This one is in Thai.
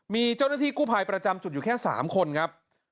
มีเจ้าหน้าที่กู้ภัยประจำจุดอยู่แค่๓คนครับ